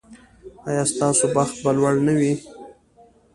ایا ستاسو بخت به لوړ نه وي؟